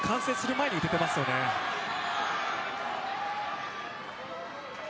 ブロックが完成する前に打てていますよね。